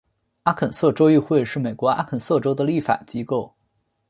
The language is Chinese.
阿肯色州议会是美国阿肯色州的立法机构。